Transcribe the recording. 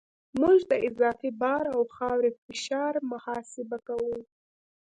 موږ د اضافي بار او خاورې فشار محاسبه کوو